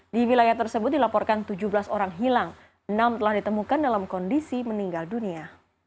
di wilayah tersebut dilaporkan tujuh belas orang hilang enam telah ditemukan dalam kondisi meninggal dunia